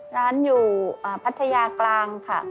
ร้านอยู่พัทยากลางค่ะ